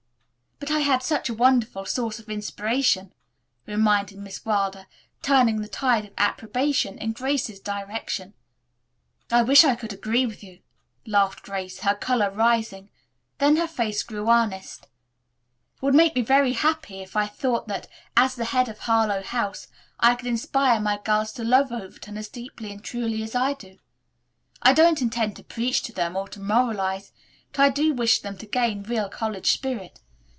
"But I had such a wonderful source of inspiration," reminded Miss Wilder, turning the tide of approbation in Grace's direction. "I wish I could agree with you," laughed Grace, her color rising. Then her face grew earnest. "It would make me very happy if I thought that, as the head of Harlowe House, I could inspire my girls to love Overton as deeply and truly as I do. I don't intend to preach to them or to moralize, but I do wish them to gain real college spirit.